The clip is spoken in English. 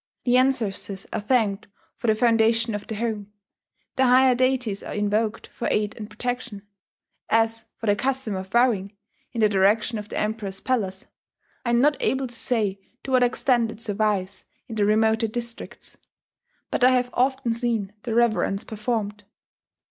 The ancestors are thanked for the foundation of the home; the higher deities are invoked for aid and protection .... As for the custom of bowing in the direction of the Emperor's palace, I am not able to say to what extent it survives in the remoter districts; but I have often seen the reverence performed.